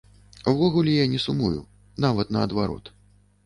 Увогуле я не сумую, нават наадварот.